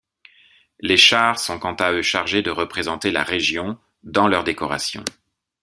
Les chars sont quant à eux chargés de représenter la région dans leur décoration.